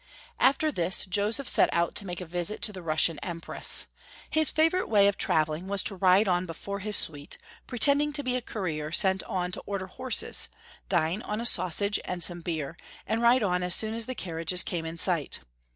After this, Joseph set out to make a visit to the Russian Empress. His favorite way of traveling was to ride on before his suite, pretending to be a courier sent on to order horses, dine on a sausage and some beer, and ride on as soon as the carriages came in sight.